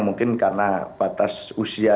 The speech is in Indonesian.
mungkin karena batas usia